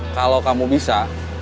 kalau kamu bisa